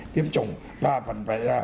tiêm chủng và vẫn phải